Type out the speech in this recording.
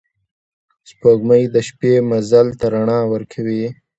سپوږمۍ د شپې مزل ته رڼا ورکوي